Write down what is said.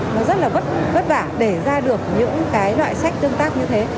nó rất là vất vả để ra được những cái loại sách tương tác như thế